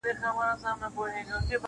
نوټ دستوري او پسرلي څخه مي مراد ارواح ښاد,